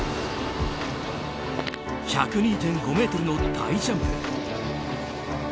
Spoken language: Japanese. １０２．５ｍの大ジャンプ。